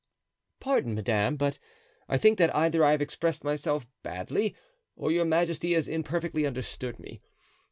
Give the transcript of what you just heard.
"Pardon, madame, but I think that either I have expressed myself badly or your majesty has imperfectly understood me.